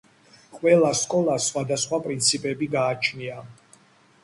ყველა სკოლას სხვადასხვა პრინციპები გააჩნია